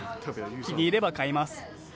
気に入れば買います。